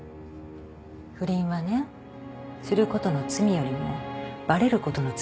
不倫はねすることの罪よりもバレることの罪の方が大きいの。